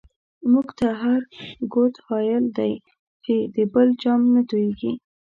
مونږ ته هر گوت هلایل دی، چی د بل جام نه توییږی